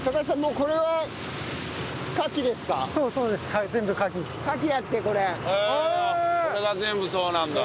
これが全部そうなんだ。